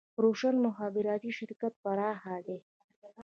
روشن مخابراتي شرکت پراخ دی